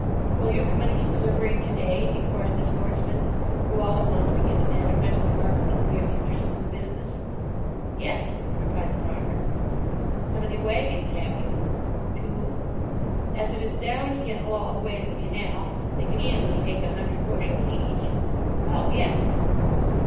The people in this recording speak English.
"Will you commence delivering to day?" inquired the sportsman, who all at once began to manifest a marked degree of interest in the business. "Yes," replied the farmer. "How many wagons have you?" "Two." "As it is down hill all the way to the canal, they can easily take a hundred bushels each." "Oh, yes."